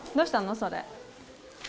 それ。